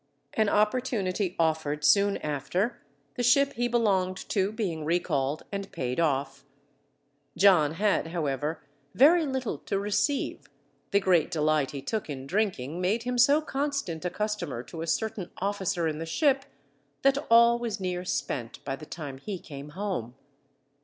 An opportunity offered soon after, the ship he belonged to being recalled and paid off. John had, however, very little to receive, the great delight he took in drinking made him so constant a customer to a certain officer in the ship that all was near spent by the time he came home.